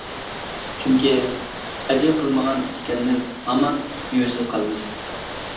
چۈنكى، ئەجىر قىلمىغان ئىكەنمىز، ھامان مېۋىسىز قالىمىز.